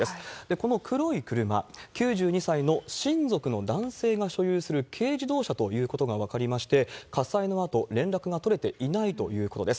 この黒い車、９２歳の親族の男性が所有する軽自動車ということが分かりまして、火災のあと連絡が取れていないということです。